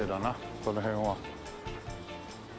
この辺は。